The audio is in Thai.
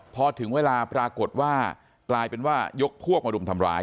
พอถึงเวลาปรากฏว่ายกพวกมาดุมทำร้าย